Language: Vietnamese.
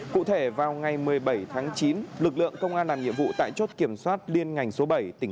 cụ thể vào ngày một mươi bảy tháng chín lực lượng công an làm nhiệm vụ tại chốt kiểm soát liên ngành số bảy tỉnh